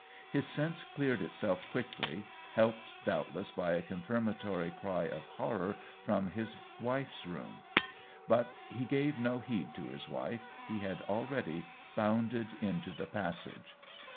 His sense cleared itself quickly, helped doubtless by a confirmatory cry of horror from his wife's room. But he gave * no heed to his wife ; he had already bounded into the passage.